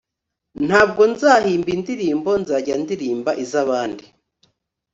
ntabwo nzahimba indirimbo nzajya ndirimbo izabandi